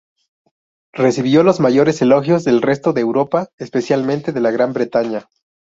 Recibió los mayores elogios del resto de Europa, especialmente de Gran Bretaña.